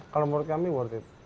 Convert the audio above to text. kalau menurut kami worth it